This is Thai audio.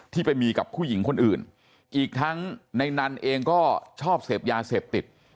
ไปมีกับผู้หญิงคนอื่นอีกทั้งในนั้นเองก็ชอบเสพยาเสพติด